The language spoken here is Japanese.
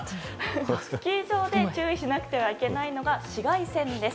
スキー場で、注意しなくてはいけないのが紫外線です。